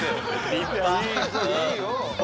立派。